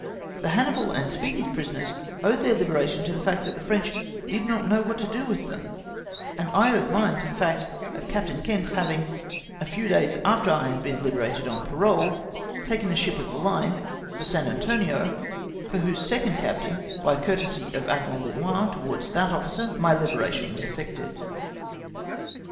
Tlie Hannibal and Speech/ s prisoners owed their liberation to the fact that the French did not know what to do with them ; and I owed mine to the fact of Captain Keats having, a few days after I had been hberated on parole, taken a sliip of the hne, the San Antonio ; for whose second cap tain, by courtesy of Admiral Linois towards that officer, my hberation was effected.